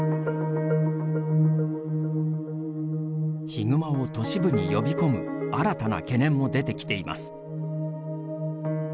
ヒグマを都市部に呼び込む新たな懸念も出てきています。